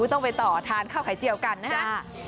ต้องไปต่อทานข้าวไข่เจียวกันนะฮะ